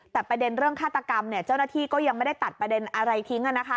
แต่ประเด็นเรื่องฆาตกรรมเจ้าหน้าที่ก็ยังไม่ได้ตัดประเด็นอะไรทิ้ง